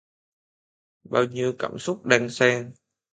Bao nhiêu cảm xúc đan xen